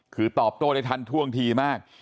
คือตอบโต้ได้ทันท่วงทีมาก